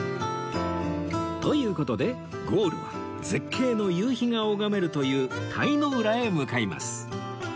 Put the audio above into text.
という事でゴールは絶景の夕日が拝めるという鯛の浦へ向かいます